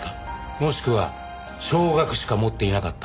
もしくは少額しか持っていなかった。